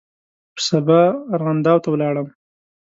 په سبا ارغنداو ته ولاړم.